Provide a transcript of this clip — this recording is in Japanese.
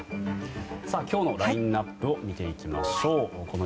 今日のラインアップを見ていきましょう。